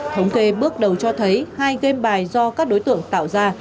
thống kê bước đầu cho thấy hai game bài do các đối tượng tạo ra